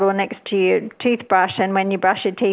dari exposure harian secara harian